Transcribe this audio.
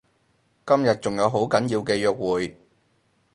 今日仲有好緊要嘅約會